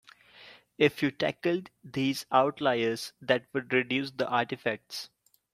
If you tackled these outliers that would reduce the artifacts.